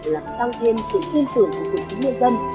làm tăng thêm sự tin tưởng của quận chính người dân